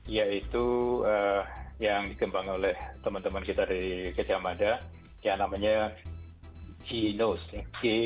yaitu yang dikembangkan oleh teman teman kita dari kejamada yang namanya g nose